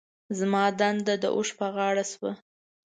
زما دنده د اوښ په غاړه شوه.